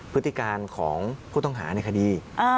พฤติการของผู้ต้องหาในคดี